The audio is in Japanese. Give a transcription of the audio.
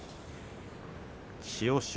千代翔